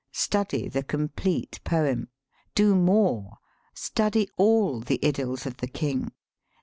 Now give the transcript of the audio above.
Study the complete poem. Do more. Study all the "Idylls of the King."